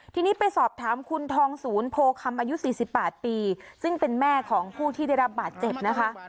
ทีนี้ไปสอบถามคุณทองศูนย์โพคำอายุ๔๘ปีซึ่งเป็นแม่ของผู้ที่ได้รับบาดเจ็บนะคะ